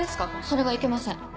それはいけません。